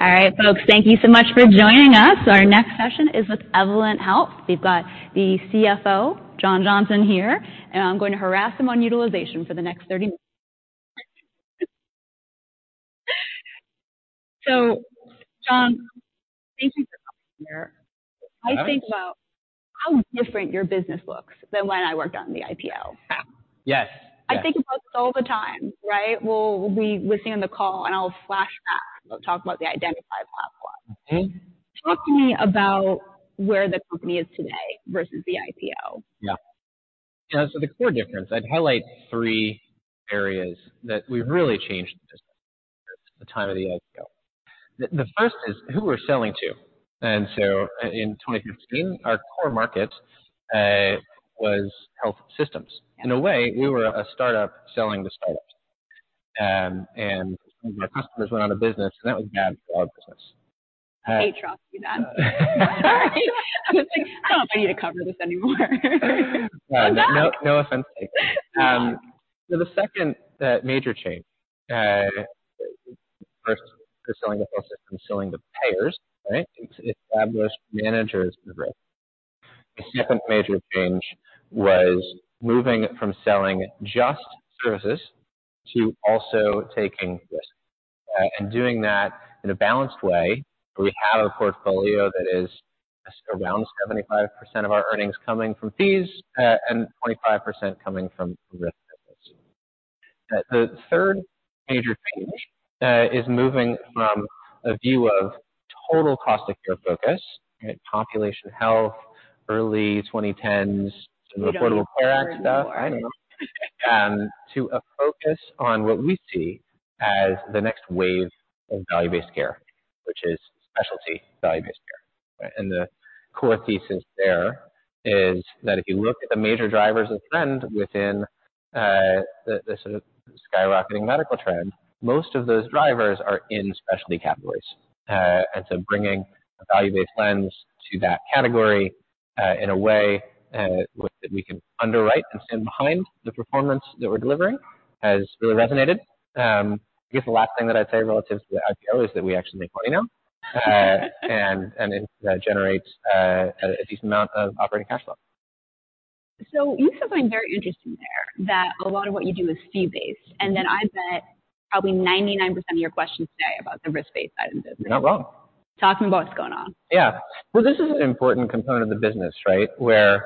All right, folks, thank you so much for joining us. Our next session is with Evolent Health. We've got the CFO, John Johnson, here, and I'm going to harass him on utilization for the next 30 minutes. So, John, thank you for coming here. I think about how different your business looks than when I worked on the IPO. Yeah. Yes. I think about this all the time, right? We'll be listening on the call, and I'll flashback, talk about the Identifi Platform. Mm-hmm. Talk to me about where the company is today versus the IPO? Yeah. You know, so the core difference, I'd highlight three areas that we've really changed the business at the time of the IPO. The first is who we're selling to. And so in 2015, our core market was health systems. In a way, we were a startup selling to startups, and some of our customers went out of business, and that was bad for our business. I hate to ask you that. All right. I was like, "I don't know if I need to cover this anymore. No, no offense taken. So the second, major change, first, we're selling to health systems, selling to payers, right? It's established managers and risk. The second major change was moving from selling just services to also taking risk. And doing that in a balanced way where we have a portfolio that is around 75% of our earnings coming from fees, and 25% coming from risk. The third major change is moving from a view of total cost of care focus, right, population health, early 2010s, some Affordable Care Act stuff, I don't know, to a focus on what we see as the next wave of value-based care, which is specialty value-based care. And the core thesis there is that if you look at the major drivers and trends within the sort of skyrocketing medical trend, most of those drivers are in specialty categories. and so bringing a value-based lens to that category, in a way, that we can underwrite and stand behind the performance that we're delivering has really resonated. I guess the last thing that I'd say relative to the IPO is that we actually make money now, and it generates a decent amount of operating cash flow. So you said something very interesting there, that a lot of what you do is fee-based, and then I bet probably 99% of your questions today are about the risk-based side of the business. You're not wrong. Talk to me about what's going on. Yeah. Well, this is an important component of the business, right, where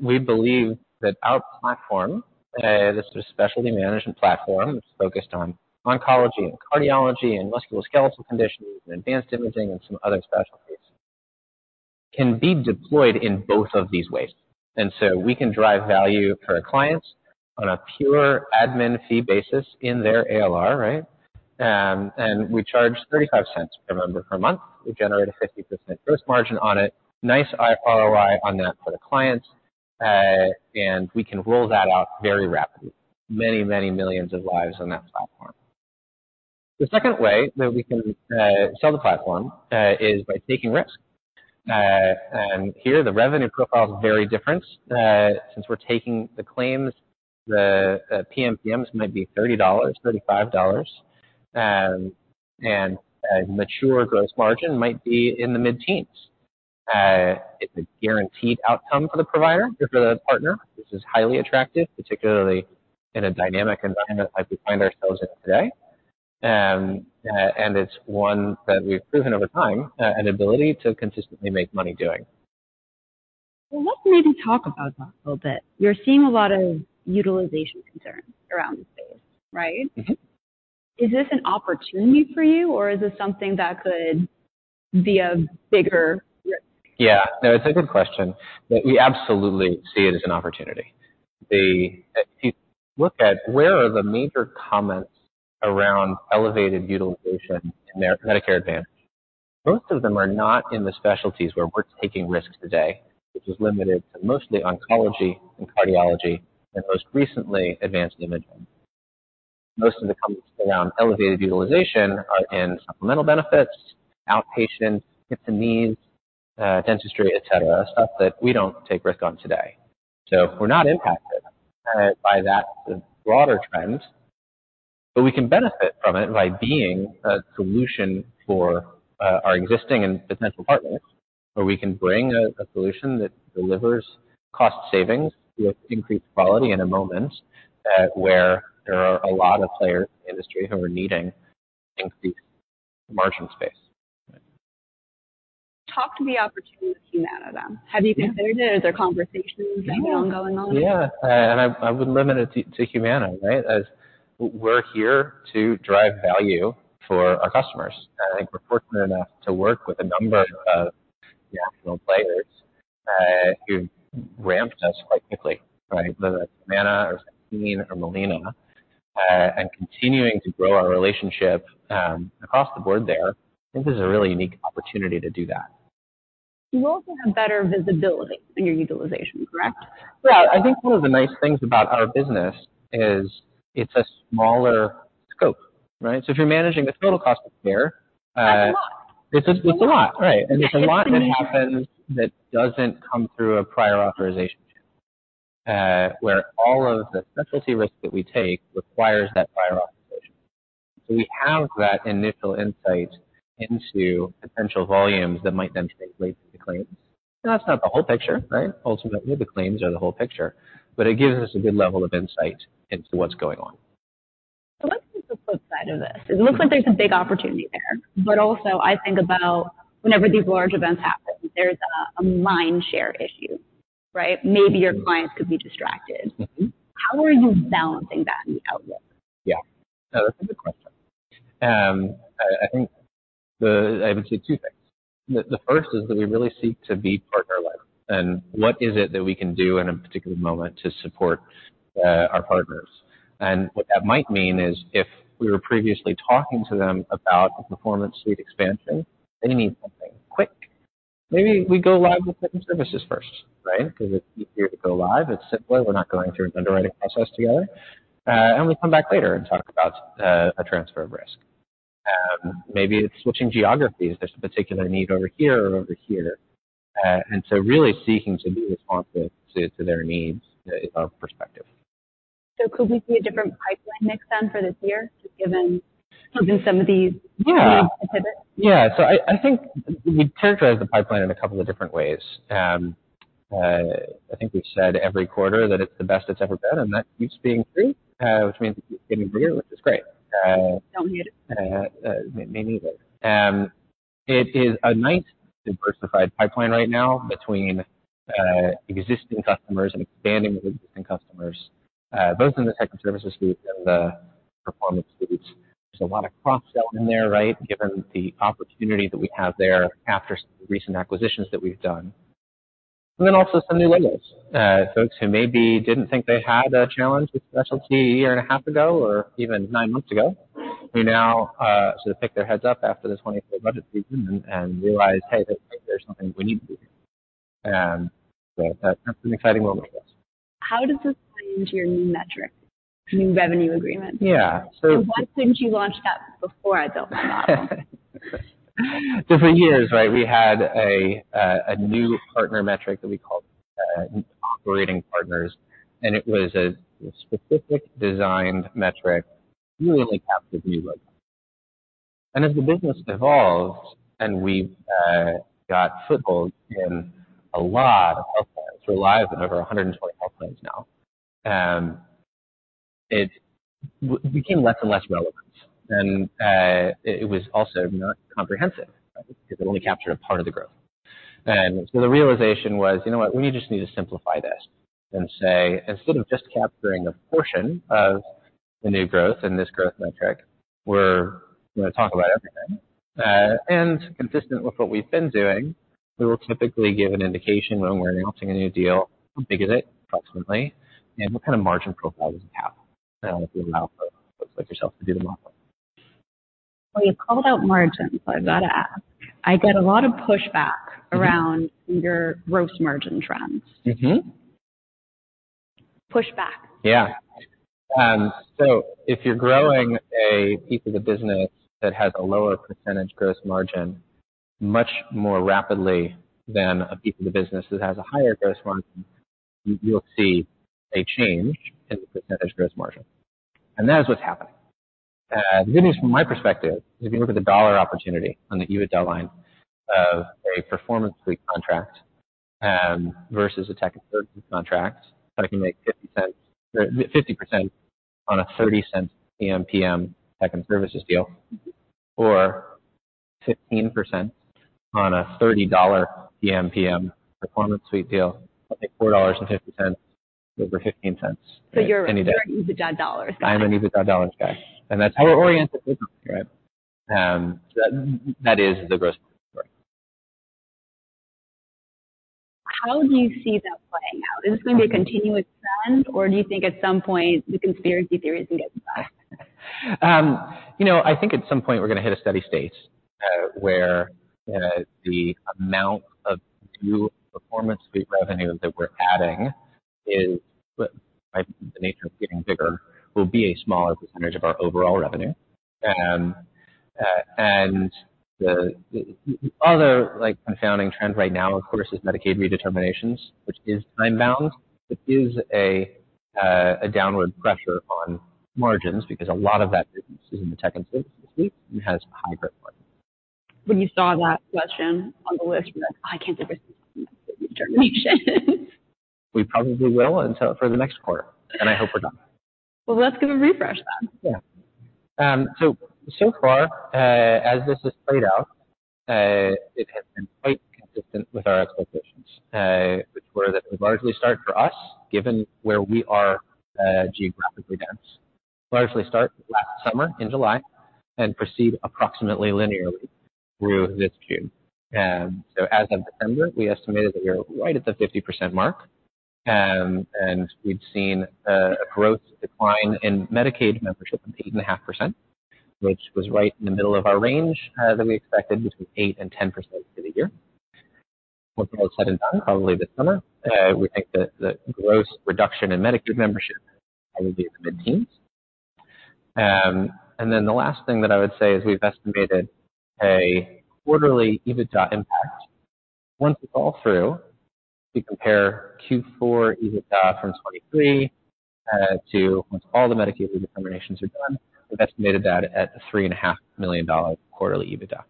we believe that our platform, this sort of specialty management platform that's focused on oncology and cardiology and musculoskeletal conditions and advanced imaging and some other specialties, can be deployed in both of these ways. And so we can drive value for our clients on a pure admin fee basis in their ALR, right? And we charge $0.35 per member per month. We generate a 50% gross margin on it, nice ROI on that for the clients, and we can roll that out very rapidly, many, many millions of lives on that platform. The second way that we can sell the platform is by taking risk. And here, the revenue profile's very different, since we're taking the claims. The PMPMs might be $30-$35, and a mature gross margin might be in the mid-teens. It's a guaranteed outcome for the provider or for the partner. This is highly attractive, particularly in a dynamic environment like we find ourselves in today. It's one that we've proven over time, an ability to consistently make money doing. Well, let's maybe talk about that a little bit. You're seeing a lot of utilization concerns around the space, right? Mm-hmm. Is this an opportunity for you, or is this something that could be a bigger risk? Yeah. No, it's a good question. We absolutely see it as an opportunity. The, if you look at where are the major comments around elevated utilization in Medicare Advantage, most of them are not in the specialties where we're taking risks today, which is limited to mostly oncology and cardiology and most recently advanced imaging. Most of the comments around elevated utilization are in supplemental benefits, outpatient, hips and knees, dentistry, etc., stuff that we don't take risk on today. So we're not impacted by that sort of broader trend, but we can benefit from it by being a solution for our existing and potential partners, where we can bring a solution that delivers cost savings with increased quality in a moment where there are a lot of players in the industry who are needing increased margin space. Talk to the opportunity with Humana. Then, have you considered it, or is there conversations even ongoing on it? Yeah. Yeah. I would limit it to Humana, right, as we're here to drive value for our customers. I think we're fortunate enough to work with a number of national players, who've ramped us quite quickly, right, whether that's Humana or Centene or Molina, and continuing to grow our relationship, across the board there. I think this is a really unique opportunity to do that. You also have better visibility in your utilization, correct? Yeah. I think one of the nice things about our business is it's a smaller scope, right? So if you're managing the total cost of care, That's a lot. It's a lot, right? There's a lot that happens that doesn't come through a prior authorization chain, where all of the specialty risk that we take requires that prior authorization. We have that initial insight into potential volumes that might then translate into claims. Now, that's not the whole picture, right? Ultimately, the claims are the whole picture, but it gives us a good level of insight into what's going on. So let's look at the flip side of this. It looks like there's a big opportunity there, but also I think about whenever these large events happen, there's a mind-share issue, right? Maybe your clients could be distracted. Mm-hmm. How are you balancing that in the outlook? Yeah. No, that's a good question. I, I think the I would say two things. The, the first is that we really seek to be partner-led. And what is it that we can do in a particular moment to support our partners? And what that might mean is if we were previously talking to them about the Performance Suite expansion, they need something quick. Maybe we go live with certain services first, right, because it's easier to go live. It's simpler. We're not going through an underwriting process together, and we come back later and talk about a transfer of risk. Maybe it's switching geographies. There's a particular need over here or over here, and so really seeking to be responsive to their needs is our perspective. Could we see a different pipeline mix then for this year, just given some of these needs? Yeah. Yeah. So I think we'd characterize the pipeline in a couple of different ways. I think we've said every quarter that it's the best it's ever been, and that keeps being true, which means it keeps getting bigger, which is great. Don't hate it. May, may need it. It is a nice diversified pipeline right now between existing customers and expanding with existing customers, both in the Tech and Services Suite and the Performance Suite. There's a lot of cross-sell in there, right, given the opportunity that we have there after some recent acquisitions that we've done. And then also some new payers, folks who maybe didn't think they had a challenge with specialty a year and a half ago or even nine months ago, who now sort of pick their heads up after the 2024 budget season and realize, "Hey, I think there's something we need to do here." So that's an exciting moment for us. How does this tie into your new metric, new revenue agreement? Yeah. So. Why couldn't you launch that before I built my model? So for years, right, we had a new partner metric that we called Operating Partners, and it was a specific designed metric really only captured new loads. And as the business evolved and we got foothold in a lot of health plans, we're alive in over 120 health plans now, it became less and less relevant. And it was also not comprehensive, right, because it only captured a part of the growth. And so the realization was, "You know what? We just need to simplify this and say, instead of just capturing a portion of the new growth in this growth metric, we're going to talk about everything." And consistent with what we've been doing, we will typically give an indication when we're announcing a new deal, how big is it approximately, and what kind of margin profile does it have, if we allow folks like yourself to do the model? Well, you called out margins, so I've got to ask. I get a lot of pushback around your gross margin trends. Mm-hmm. Pushback. Yeah. So if you're growing a piece of the business that has a lower percentage gross margin much more rapidly than a piece of the business that has a higher gross margin, you'll see a change in the percentage gross margin. That is what's happening. The good news from my perspective is if you look at the dollar opportunity on the EBITDA line of a Performance Suite contract, versus a Tech and Services contract, so I can make $0.50 or 50% on a $0.30 PMPM Tech and Services deal or 15% on a $30 PMPM Performance Suite deal, I'll make $4.50 over $0.15 any day. So you're an EBITDA dollars guy. I'm an EBITDA dollars guy. That's how we're oriented businessly, right? So that, that is the gross margin story. How do you see that playing out? Is this going to be a continuous trend, or do you think at some point the conspiracy theories can get to the bottom? You know, I think at some point we're going to hit a steady state, where the amount of new Performance Suite revenue that we're adding is, by the nature of getting bigger, will be a smaller percentage of our overall revenue. And the other, like, confounding trend right now, of course, is Medicaid redeterminations, which is time-bound. It is a downward pressure on margins because a lot of that business is in the Tech and Services Suite and has high growth margins. When you saw that question on the list, you're like, "I can't take risk and talk about suite redeterminations. We probably will until for the next quarter, and I hope we're done. Well, let's give a refresh then. Yeah. So, so far, as this has played out, it has been quite consistent with our expectations, which were that it would largely start for us, given where we are, geographically dense, largely start last summer in July and proceed approximately linearly through this June. So as of December, we estimated that we were right at the 50% mark, and we'd seen a growth decline in Medicaid membership of 8.5%, which was right in the middle of our range that we expected between 8%-10% for the year. Once that was said and done, probably this summer, we think that the gross reduction in Medicaid membership will be in the mid-teens. And then the last thing that I would say is we've estimated a quarterly EBITDA impact. Once it's all through, we compare Q4 EBITDA from 2023, to once all the Medicaid redeterminations are done, we've estimated that at a $3.5 million quarterly EBITDA.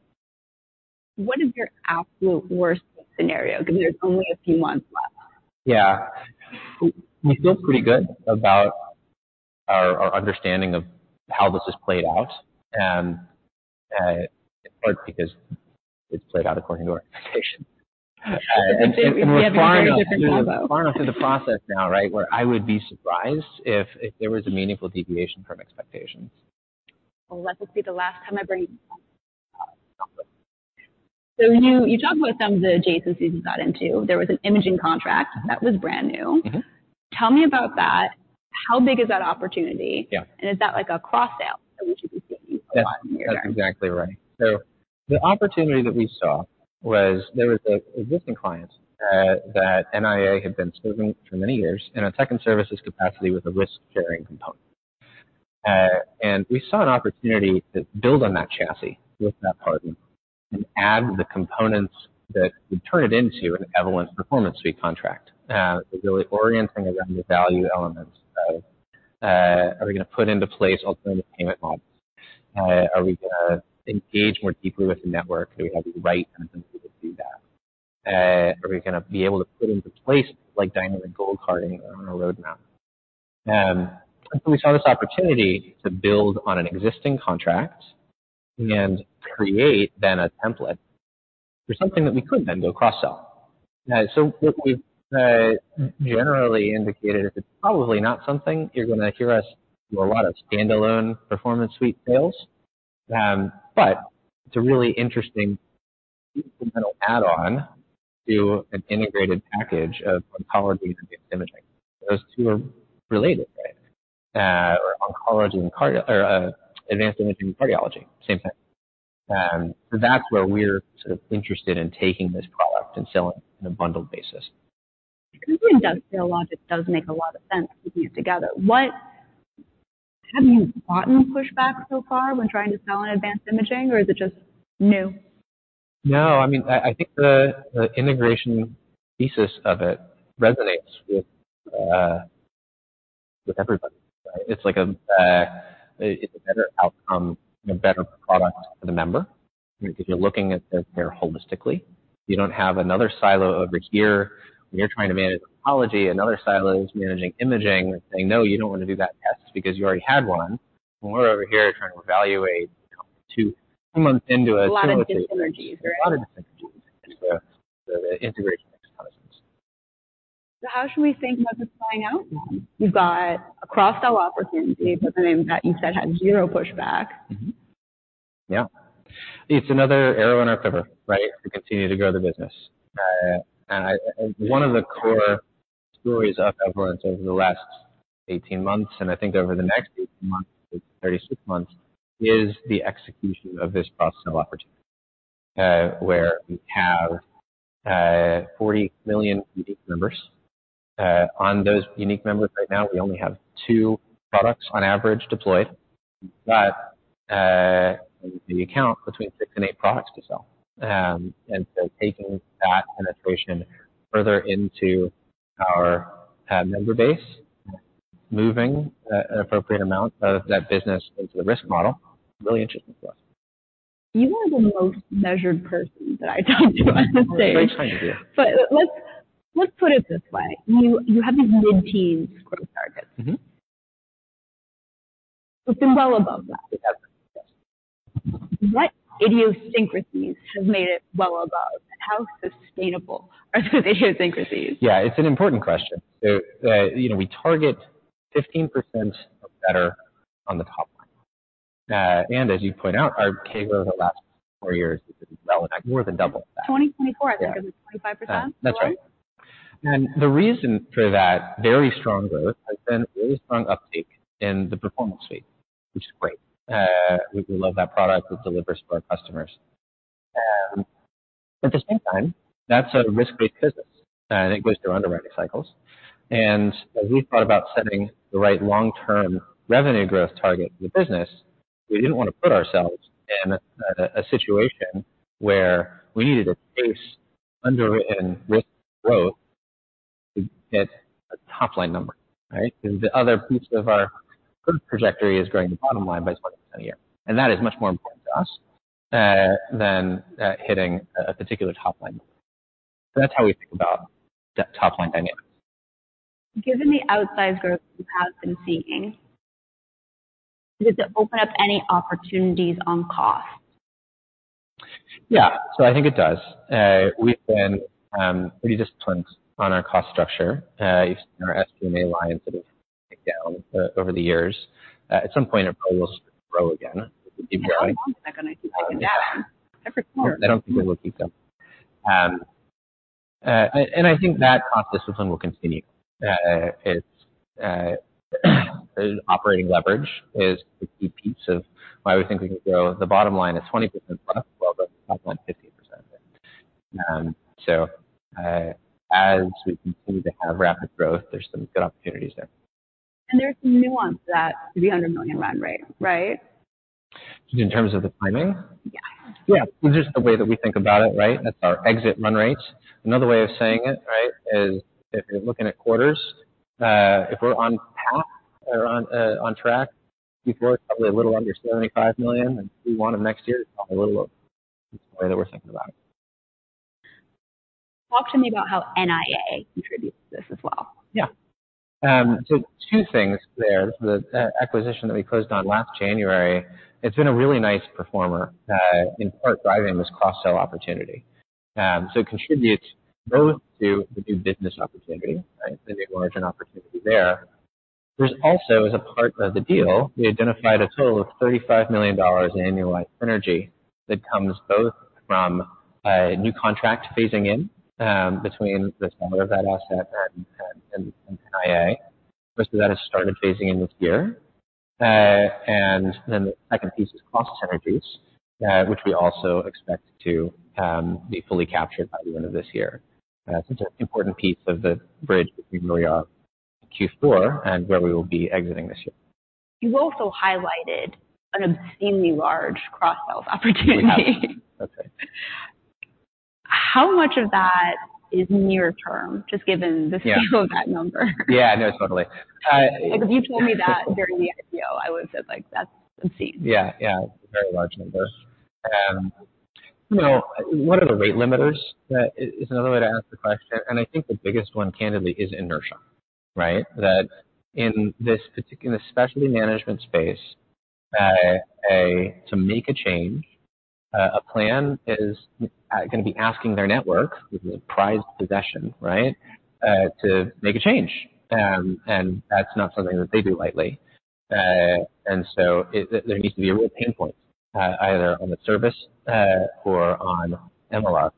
What is your absolute worst-case scenario, given there's only a few months left? Yeah. We feel pretty good about our understanding of how this has played out, in part because it's played out according to our expectations. And so we're far enough through. So you're in a very different combo. Far enough through the process now, right, where I would be surprised if there was a meaningful deviation from expectations. Well, let's just be the last time I bring you to that topic. So you, you talked about some of the adjacencies you got into. There was an imaging contract that was brand new. Mm-hmm. Tell me about that. How big is that opportunity? Yeah. Is that, like, a cross-sale that we should be seeing a lot in the near term? That's exactly right. So the opportunity that we saw was there was an existing client, that NIA had been serving for many years in a tech and services capacity with a risk-sharing component. And we saw an opportunity to build on that chassis with that partner and add the components that would turn it into an Evolent Performance Suite contract. We're really orienting around the value elements of, are we going to put into place alternative payment models? Are we going to engage more deeply with the network? Do we have the right kind of ability to do that? Are we going to be able to put into place something like diamond and gold carding on our roadmap? And so we saw this opportunity to build on an existing contract and create then a template for something that we could then go cross-sell. So what we've generally indicated is it's probably not something you're going to hear us do a lot of standalone Performance Suite sales, but it's a really interesting incremental add-on to an integrated package of oncology and advanced imaging. Those two are related, right, or oncology and cardio or, advanced imaging and cardiology, same thing. So that's where we're sort of interested in taking this product and selling it in a bundled basis. Because the industrial logic does make a lot of sense putting it together. What have you gotten pushback so far when trying to sell on advanced imaging, or is it just new? No. I mean, I think the integration thesis of it resonates with everybody, right? It's like, it's a better outcome, a better product for the member, right, because you're looking at their care holistically. You don't have another silo over here. When you're trying to manage oncology, another silo is managing imaging and saying, "No, you don't want to do that test because you already had one." And we're over here trying to evaluate, you know, two months into a solid tumor. A lot of disenrollments, right? A lot of dis-synergies. And so the integration makes a lot of sense. How should we think about this playing out then? You've got a cross-sell opportunity, but the name that you said had zero pushback. Mm-hmm. Yeah. It's another arrow in our quiver, right, to continue to grow the business. I, one of the core stories of Evolent's over the last 18 months, and I think over the next 18 months, it's 36 months, is the execution of this cross-sell opportunity, where we have 40 million unique members. On those unique members right now, we only have two products on average deployed, but we account between six and eight products to sell. So taking that penetration further into our member base and moving an appropriate amount of that business into the risk model is really interesting to us. You are the most measured person that I talked to on this stage. Oh, great time to do. But let's put it this way. You have these mid-teens growth targets. Mm-hmm. We've been well above that. We have. Yes. What idiosyncrasies have made it well above? How sustainable are those idiosyncrasies? Yeah. It's an important question. So, you know, we target 15% better on the top line. And as you point out, our CAGR growth over the last four years has been well in excess more than double that. 2024, I think, was it 25%? That's right. The reason for that very strong growth has been really strong uptake in the Performance Suite, which is great. We, we love that product. It delivers for our customers. At the same time, that's a risk-based business, and it goes through underwriting cycles. As we thought about setting the right long-term revenue growth target for the business, we didn't want to put ourselves in a situation where we needed to chase underwritten risk growth to get a top-line number, right, because the other piece of our growth trajectory is growing the bottom line by 20% a year. That is much more important to us than hitting a particular top-line number. That's how we think about top-line dynamics. Given the outsized growth you have been seeing, does it open up any opportunities on cost? Yeah. So I think it does. We've been pretty disciplined on our cost structure. You've seen our SG&A line sort of break down over the years. At some point, it probably will start to grow again. It will keep growing. How long is that going to keep breaking down? Every quarter. I don't think it will keep going. I think that cost discipline will continue. Operating leverage is the key piece of why we think we can grow. The bottom line is 20%+ while growing the top line 50%. As we continue to have rapid growth, there's some good opportunities there. There's some nuance to that $300 million run rate, right? In terms of the timing? Yeah. Yeah. It's just the way that we think about it, right? That's our exit run rate. Another way of saying it, right, is if you're looking at quarters, if we're on path or on track, Q4 is probably a little under $75 million, and Q1 of next year is probably a little over. That's the way that we're thinking about it. Talk to me about how NIA contributes to this as well. Yeah. So two things there. This is the acquisition that we closed on last January. It's been a really nice performer, in part driving this cross-sell opportunity. So it contributes both to the new business opportunity, right, the new margin opportunity there. There's also, as a part of the deal, we identified a total of $35 million in annualized synergy that comes both from a new contract phasing in, between the seller of that asset and NIA. Most of that has started phasing in this year. And then the second piece is cost synergies, which we also expect to be fully captured by the end of this year, since it's an important piece of the bridge between where we are in Q4 and where we will be exiting this year. You also highlighted an obscenely large cross-sell opportunity. We have. That's right. How much of that is near term, just given the scale of that number? Yeah. Yeah. No, totally. Like, if you told me that during the IPO, I would have said, like, "That's obscene. Yeah. Yeah. It's a very large number. You know, what are the rate limiters? That is another way to ask the question. And I think the biggest one, candidly, is inertia, right, that in this particular in the specialty management space, to make a change, a plan is going to be asking their network, which is a prized possession, right, to make a change. And that's not something that they do lightly. And so there needs to be a real pain point, either on the service, or on MLR,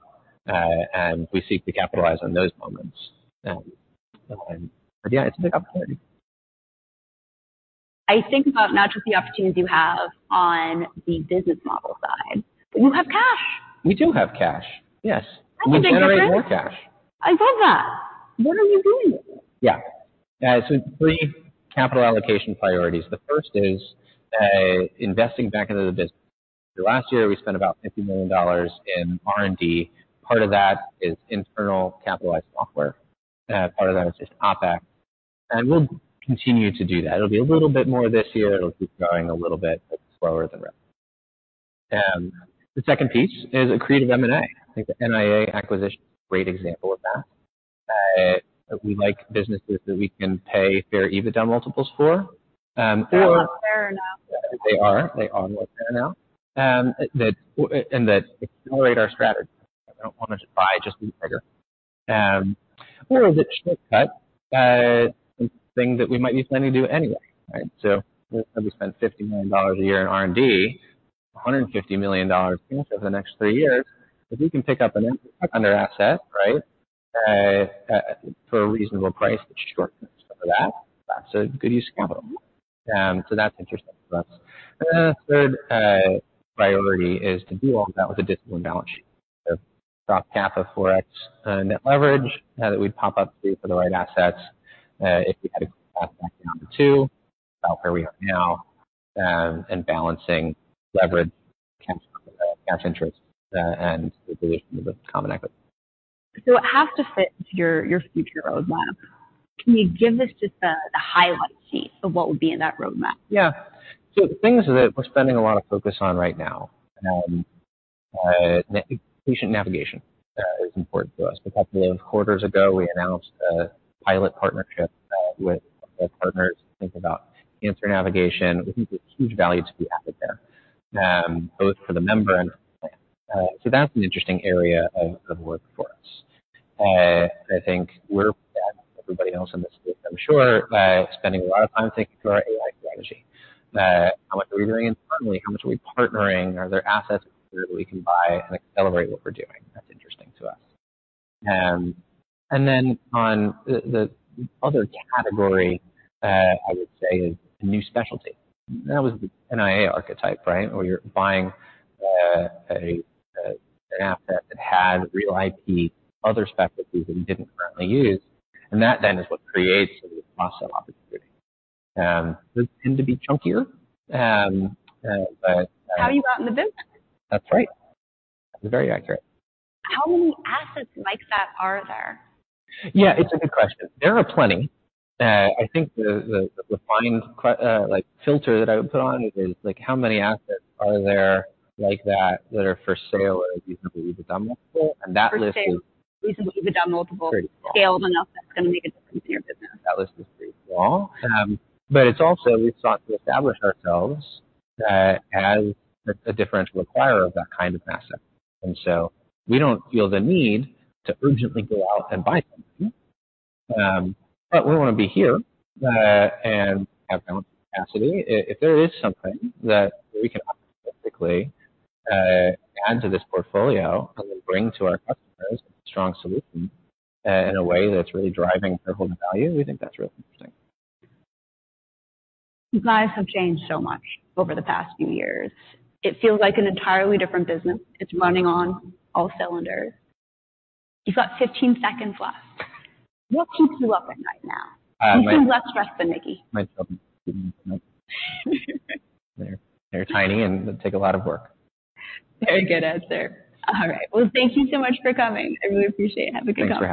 and we seek to capitalize on those moments. But yeah, it's a big opportunity. I think about not just the opportunities you have on the business model side, but you have cash. We do have cash. Yes. We generate more cash. I love that. What are you doing with it? Yeah. So, three capital allocation priorities. The first is investing back into the business. Last year, we spent about $50 million in R&D. Part of that is internal capitalized software. Part of that is just OpEx. And we'll continue to do that. It'll be a little bit more this year. It'll keep growing a little bit, but slower than real. The second piece is creative M&A. I think the NIA acquisition is a great example of that. We like businesses that we can pay fair EBITDA multiples for, or. They're not fair enough. They are. They are more fair now, that and that accelerate our strategy. We don't want to just buy just to be triggered or is it shortcut, something that we might be planning to do anyway, right? So we'll probably spend $50 million a year in R&D, $150 million of the next three years. If we can pick up an undervalued asset, right, for a reasonable price that shortcuts some of that, that's a good use of capital. So that's interesting for us. Third, priority is to do all of that with a disciplined balance sheet. So drop cap of 4X, net leverage, that we'd pop up to for the right assets, if we had to cut back down to two, about where we are now, and balancing leverage, cash, cash interest, and the dilution of the common equity. It has to fit into your future roadmap. Can you give us just the highlight sheet of what would be in that roadmap? Yeah. So things that we're spending a lot of focus on right now, patient navigation, is important to us. A couple of quarters ago, we announced a pilot partnership with our partners to think about cancer navigation. We think there's huge value to be added there, both for the member and for the plan. That's an interesting area of work for us. I think we're everybody else in this space, I'm sure, spending a lot of time thinking through our AI strategy. How much are we doing internally? How much are we partnering? Are there assets that we can buy and accelerate what we're doing? That's interesting to us. On the other category, I would say, is a new specialty. That was the NIA archetype, right, where you're buying an asset that had real IP other specialties that you didn't currently use. That then is what creates sort of the cross-sell opportunity. Those tend to be chunkier, but, How are you out in the business? That's right. That's very accurate. How many assets like that are there? Yeah. It's a good question. There are plenty. I think the refined, like, filter that I would put on is, like, how many assets are there like that that are for sale or a reasonable EBITDA multiple? And that list is. For sale. Reasonable EBITDA multiple. Pretty small. Scaled enough, that's going to make a difference in your business. That list is pretty small, but it's also we sought to establish ourselves as a differentiated acquirer of that kind of asset. So we don't feel the need to urgently go out and buy something, but we want to be here and have balanced capacity. If there is something that we can optimistically add to this portfolio and then bring to our customers as a strong solution, in a way that's really driving their hold of value, we think that's really interesting. You guys have changed so much over the past few years. It feels like an entirely different business. It's running on all cylinders. You've got 15 seconds left. What keeps you up at night now? You seem less stressed than Nikki. My children are sleeping tonight. They're tiny, and they take a lot of work. Very good answer. All right. Well, thank you so much for coming. I really appreciate it. Have a good company.